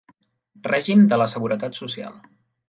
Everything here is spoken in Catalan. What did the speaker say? Règim de la seguretat social.